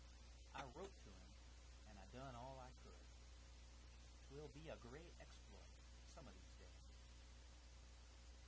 I wrote to him an' I done all I could. 'Twill be a great exploit some o' these days."